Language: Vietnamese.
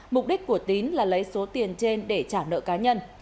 mục đích của tín là lấy số tiền trên để trả nợ cá nhân